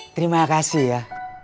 terima kasih ya